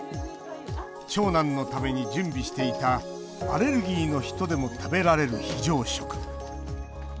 長男のために準備していたアレルギーの人でも食べられる非常食。